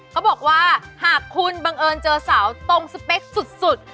เขาบอกว่าหากคุณบังเอิญเจอสาวตรงสเปคสุด